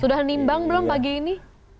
sudah nimbang belum pagi ini